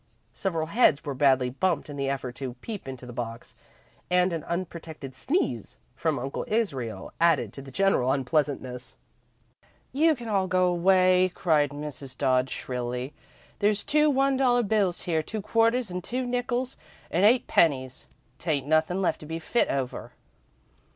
Several heads were badly bumped in the effort to peep into the box, and an unprotected sneeze from Uncle Israel added to the general unpleasantness. "You can all go away," cried Mrs. Dodd, shrilly. "There's two one dollar bills here, two quarters, an' two nickels an' eight pennies. 'T aint nothin' to be fit over."